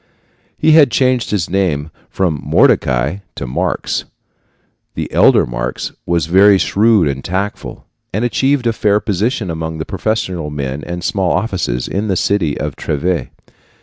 He had changed his name from Mordecai to Marx. The elder Marx was very shrewd and tactful, and achieved a fair position among the professional men and small officials in the city of Treves.